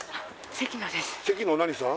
関野何さん？